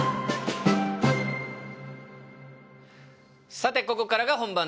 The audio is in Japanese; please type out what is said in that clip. さてここからが本番です！